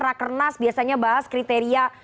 rakernas biasanya bahas kriteria